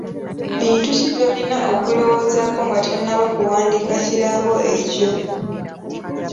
Bintu ki by'olina okulowoozaako nga tonnaba kuwandiika kirango ekyo?